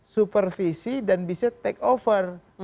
supervisi dan bisa take over